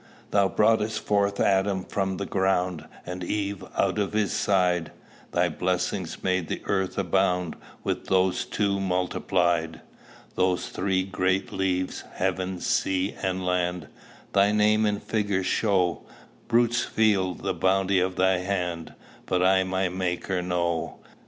Thou brought'st forth Adam from the ground, And Eve out of his side: Thy blessing made the earth abound With these two multiplied. "Those three great leaves, heaven, sea, and land, Thy name in figures show; Brutes feel the bounty of thy hand, But I my Maker know.